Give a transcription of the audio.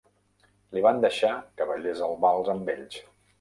Li van deixar que ballés el vals amb ells.